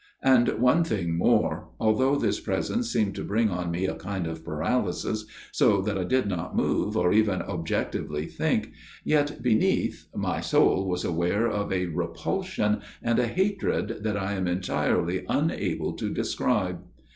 " And one thing more. Although this presence seemed to bring on me a kind of paralysis, so that I did not move or even objectively think, yet beneath, my soul was aware of a repulsion and a hatred that I am entirely unable to describe.